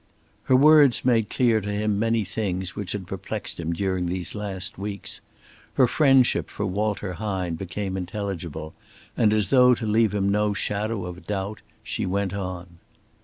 Her words made clear to him many things which had perplexed him during these last weeks. Her friendship for Walter Hine became intelligible, and as though to leave him no shadow of doubt, she went on.